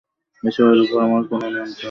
এসবের ওপর আমার কোনোই নিয়ন্ত্রণ নেই।